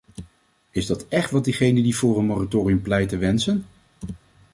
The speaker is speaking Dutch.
Is dat echt wat degenen die voor een moratorium pleiten, wensen?